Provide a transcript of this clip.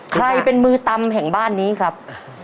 ใครเป็นมือตำแห่งบ้านนี้ครับ